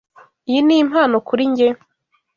Iyi ni impano kuri njye?